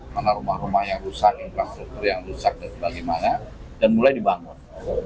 mana rumah rumah yang rusak infrastruktur yang rusak dan bagaimana dan mulai dibangun